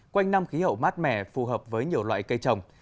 quanh năm khí hậu mát mẻ phù hợp với nhiều loại cây trồng